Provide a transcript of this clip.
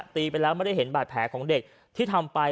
ตีไปแล้วไม่ได้เห็นบาดแผลของเด็กที่ทำไป